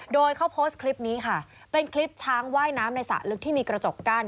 โดยเขาโพสต์คลิปนี้ค่ะเป็นคลิปช้างว่ายน้ำในสระลึกที่มีกระจกกั้น